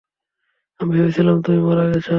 আমি ভেবেছিলাম তুমি মারা গেছ!